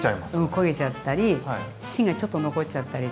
焦げちゃったり芯がちょっと残っちゃったりとかして。